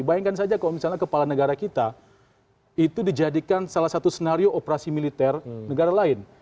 bayangkan saja kalau misalnya kepala negara kita itu dijadikan salah satu senario operasi militer negara lain